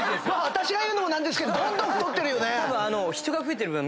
私が言うのも何ですけどどんどん太ってるよね。